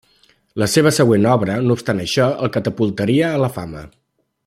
La seva següent obra, no obstant això, el catapultaria a la fama.